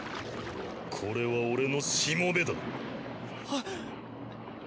これは俺のしもべだ。